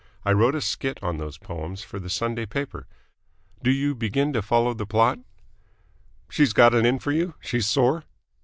I wrote a skit on those poems for the Sunday paper. Do you begin to follow the plot?" "She's got it in for you? She's sore?"